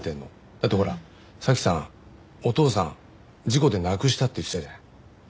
だってほら早紀さんお父さん事故で亡くしたって言ってたじゃない。